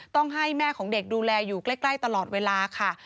ต้องให้แม่ของเด็กดูแลอยู่ใกล้ตลอดเวลาค่ะ